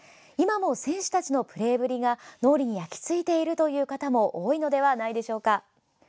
今も選手たちのプレーぶりが脳裏に焼きついているという方も多いのではないでしょうか。